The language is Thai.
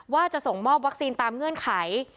ว่าจะส่งมอบวัคซีนตามเงื่อนไข